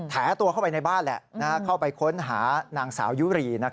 แถตัวเข้าไปในบ้านแหละเข้าไปค้นหานางสาวยุรี